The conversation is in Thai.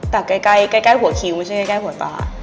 แต่ใกล้หัวคิวไม่ใช่ใกล้หัวฟ้า